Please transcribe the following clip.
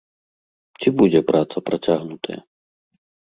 Ці будзе праца працягнутая?